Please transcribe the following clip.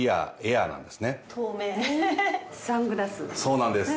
そうなんです。